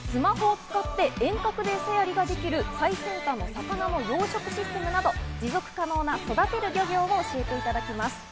スマホを使って遠隔でエサやりができる最先端の魚の養殖システムなど、持続可能な育てる漁業を教えていただきます。